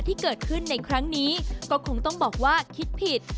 ที่เกิดขึ้นในครั้งนี้ก็คงต้องบอกว่าคิดผิด